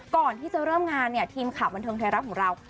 ก่อนที่จะเริ่มงานเนี่ยทีมข่าวบันเทิงไทยรัฐของเรา